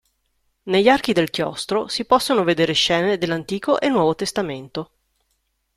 Negli archi del chiostro, si possono vedere scene dell'Antico e Nuovo Testamento.